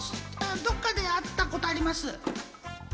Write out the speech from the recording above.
どっかで会ったことあります。